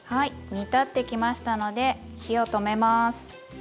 煮立ってきましたので火を止めます。